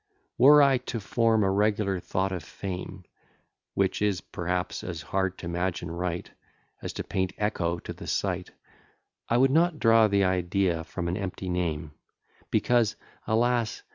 VII Were I to form a regular thought of Fame, Which is, perhaps, as hard t'imagine right, As to paint Echo to the sight, I would not draw the idea from an empty name; Because, alas!